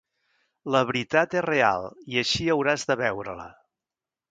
La veritat és real i així hauràs de veure-la.